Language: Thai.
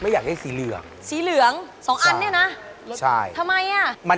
ไม่อยากได้สีเหลืองสีเหลือง๒อันเนี่ยนะทำไมอ่ะ